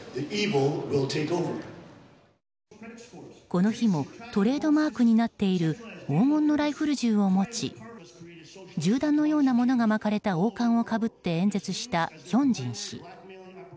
この日もトレードマークになっている黄金のライフル銃を持ち銃弾のようなものが巻かれた王冠をかぶって演説したヒョンジン氏。